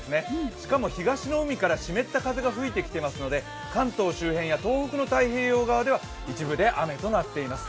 しかも東の海から湿った風が吹いてきていますので関東周辺や東北の太平洋側では、一部で雨となっています。